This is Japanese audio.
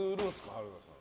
春菜さん。